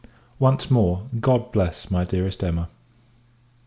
Once more, God bless my dearest Emma!